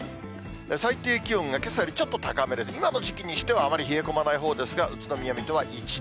最低気温がけさよりちょっと高めで今の時期にしては、あまり冷え込まないほうですが、宇都宮、水戸は１度。